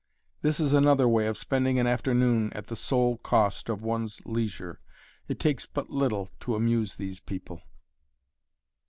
This is another way of spending an afternoon at the sole cost of one's leisure. It takes but little to amuse these people!